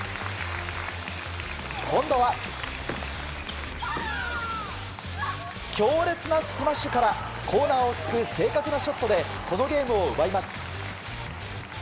今度は、強烈なスマッシュからコーナーを突く正確なショットでこのゲームを奪います。